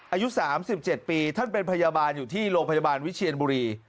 อายุ๓๗ปีท่านเป็นพยาบาลอยู่ที่โรงพยาบาลวิเชียนบุรี